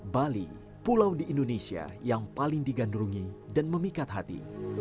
bali pulau di indonesia yang paling digandrungi dan memikat hati